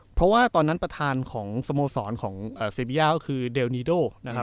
เพราะว่าตอนนั้นประธานของสโมสรของเซบีย่าก็คือเดลนีโดนะครับ